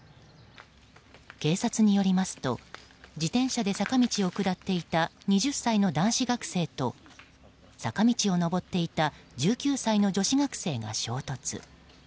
警察によりますと自転車で坂道を下っていた２０歳の男子学生と坂道を上っていた１９歳の女子学生が衝突。